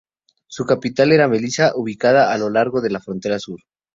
Su capital era Mesilla ubicada lo largo de la frontera sur.